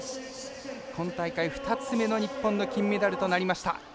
今大会２つ目の日本の金メダルとなりました。